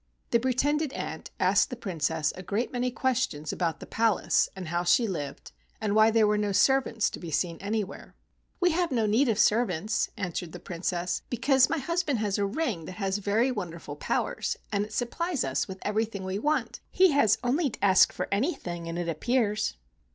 The pretended aunt asked the Princess a great many questions about the palace and how she lived, and why there were no servants to be seen anywhere. 47 THE WONDERFUL RING "We have no need of servants/' answered the Princess, "because my husband has a ring that has very wonderful powers, and it supplies us with everything we want. He has only to ask for anything, and it appears."